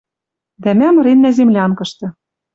Дӓ мӓ мыреннӓ землянкышты.